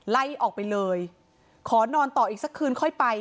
ไล่ออกไปเลยขอนอนต่ออีกสักคืนค่อยไป